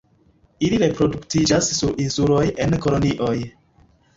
Ili reproduktiĝas sur insuloj en kolonioj.